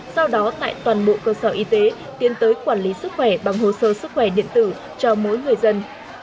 sau đó tại toàn bộ cơ sở y tế tiến tới quản lý sức khỏe bằng hồ sơ sức khỏe điện tử cho mỗi người dân